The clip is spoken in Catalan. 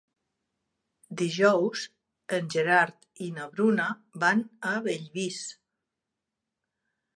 Dijous en Gerard i na Bruna van a Bellvís.